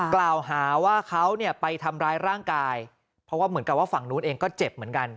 กล่าวหาว่าเขาเนี่ยไปทำร้ายร่างกายเพราะว่าเหมือนกับว่าฝั่งนู้นเองก็เจ็บเหมือนกัน